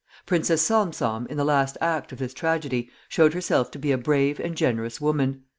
Princess Salm Salm, in the last act of this tragedy, showed herself to be a brave and generous woman.